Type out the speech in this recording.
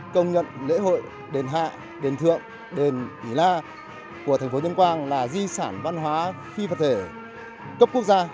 công nhận lễ hội đền hạ đền thượng đền hỉ la của thành phố tuyên quang là di sản văn hóa phi vật thể cấp quốc gia